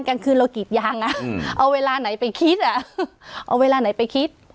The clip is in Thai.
กลางคืนเรากรีดยางอ่ะเอาเวลาไหนไปคิดอ่ะเอาเวลาไหนไปคิด